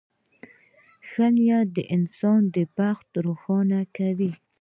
• ښه نیت د انسان بخت روښانه کوي.